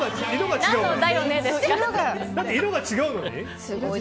色が違うのに？